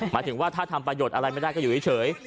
หมายถึงว่าถ้าทำประโยชน์อะไรไม่ได้ก็อยู่เฉย